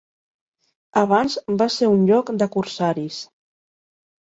Abans va ser un lloc de corsaris.